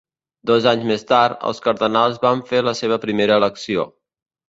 Dos anys més tard, els cardenals van fer la seva primera elecció.